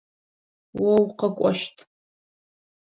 О укъэкӏощт.